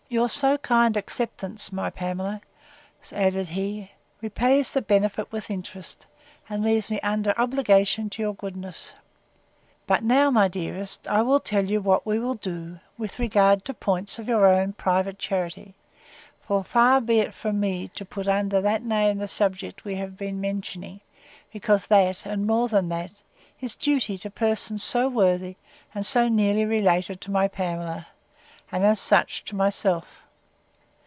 —Your so kind acceptance, my Pamela, added he, repays the benefit with interest, and leaves me under obligation to your goodness. But now, my dearest, I will tell you what we will do, with regard to points of your own private charity; for far be it from me, to put under that name the subject we have been mentioning; because that, and more than that, is duty to persons so worthy, and so nearly related to my Pamela, and, as such, to myself.